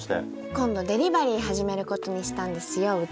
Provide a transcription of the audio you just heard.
今度デリバリー始めることにしたんですようち。